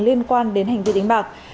liên quan đến hành vi đánh bạc